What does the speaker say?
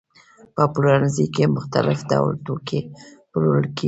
په پلورنځي کې مختلف ډول توکي پلورل کېږي.